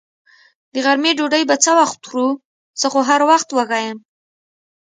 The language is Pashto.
د غرمې ډوډۍ به څه وخت خورو؟ زه خو هر وخت وږې یم.